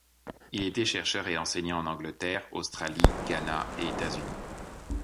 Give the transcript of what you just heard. Il était chercheur et enseignant en Angleterre, Australie, Ghana et États-Unis.